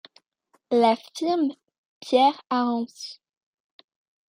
La firme Pierre Arens.